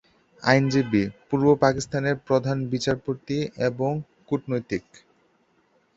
আইনজীবী, পূর্ব পাকিস্তানের প্রধান বিচারপতি এবং কূটনৈতিক।